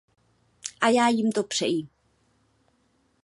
A já jim to přeji.